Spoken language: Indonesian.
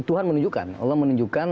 tuhan menunjukkan allah menunjukkan